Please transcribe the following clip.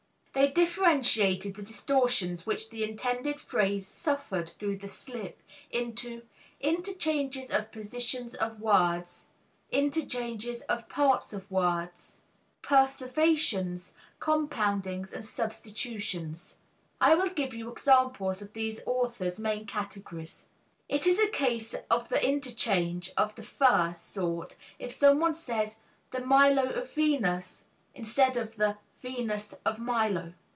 They differentiated the distortions which the intended phrase suffered through the slip, into: interchanges of positions of words, interchanges of parts of words, perseverations, compoundings and substitutions. I will give you examples of these authors' main categories. It is a case of interchange of the first sort if someone says "the Milo of Venus" instead of "the Venus of Milo."